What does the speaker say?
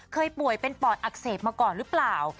ป่วยเป็นปอดอักเสบมาก่อนหรือเปล่า